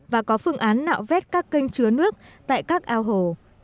và có phương án nạo vét các kênh chứa nước tại các ao hồ